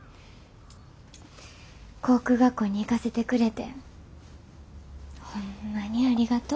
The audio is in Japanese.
航空学校に行かせてくれてホンマにありがとう。